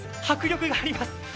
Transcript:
迫力があります。